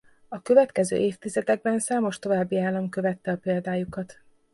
A következő évtizedekben számos további állam követte a példájukat.